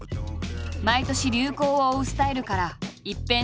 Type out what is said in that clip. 毎年流行を追うスタイルから一変した。